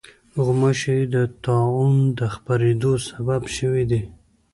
غوماشې د طاعون د خپرېدو سبب شوې دي.